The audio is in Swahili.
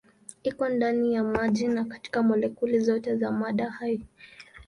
Iko ndani ya maji na katika molekuli zote za mada hai.